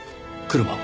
車を。